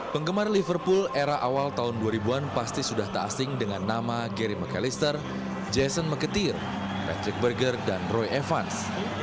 penggemar liverpool era awal tahun dua ribu an pasti sudah tak asing dengan nama gary mccallister jason mketir patrick burger dan roy evans